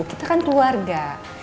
kita kan keluarga